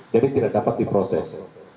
jadi tidak dapat diproses